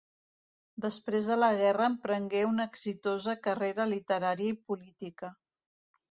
Després de la guerra emprengué una exitosa carrera literària i política.